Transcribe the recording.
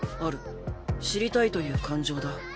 知りたいという感情だ。